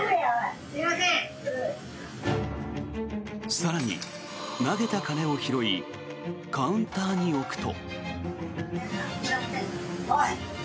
更に、投げた金を拾いカウンターに置くと。